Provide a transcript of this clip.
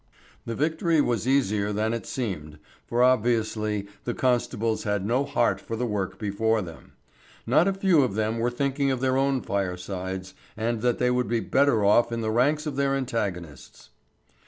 The victory was easier than it seemed, for obviously the constables had no heart for the work before them. Not a few of them were thinking of their own firesides, and that they would be better off in the ranks of their antagonists.